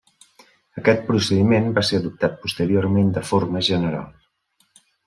Aquest procediment va ser adoptat posteriorment de forma general.